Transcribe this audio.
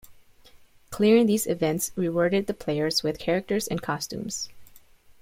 Clearing these events rewarded the players with characters and costumes.